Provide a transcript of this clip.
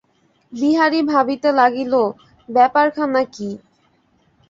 বিহারী ভাবিতে লাগিল, ব্যাপারখানা কী।